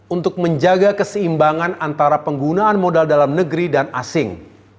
untuk menjaga keseimbangan antara penggunaan modal dalam negeri dan asing